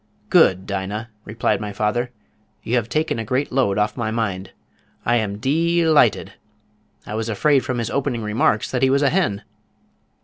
"Good, Dinah," replied my father. "You have taken a great load off my mind. I am dee lighted. I was afraid from his opening remarks that he was a hen!"